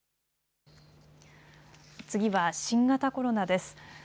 次は新型コロナです。